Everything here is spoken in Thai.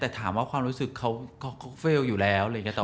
แต่ถามว่าความรู้สึกเขาก็เฟลอยู่แล้ว